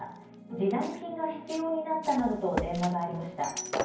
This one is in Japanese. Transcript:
示談金が必要になったなどと電話がありました。